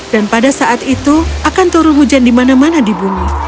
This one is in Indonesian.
dan pada saat itu akan turun hujan di mana mana di bumi